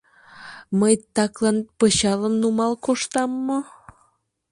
Мый таклан пычалым нумал коштам мо?